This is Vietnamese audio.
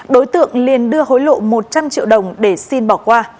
đối tượng liền đưa hối lộ một trăm linh triệu đồng để xin bỏ qua